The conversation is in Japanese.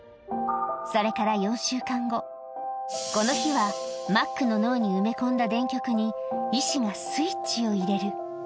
それから４週間後、この日は、マックの脳に埋め込んだ電極に、医師がスイッチを入れる。